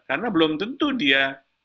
karena belum tentu dia